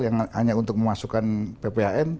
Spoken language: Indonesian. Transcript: yang hanya untuk memasukkan pphn